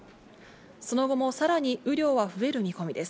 その後もさらに雨量は増える見込みです。